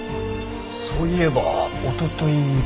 そういえばおととい。